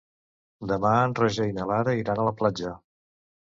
Demà en Roger i na Lara iran a la platja.